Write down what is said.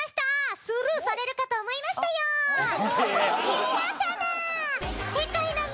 皆様！